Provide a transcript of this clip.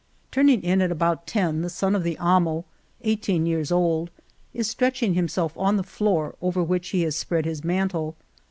Turning in at about ten the son of the amo, eighteen years old, is stretching him self on the floor over which he has spread his mantle.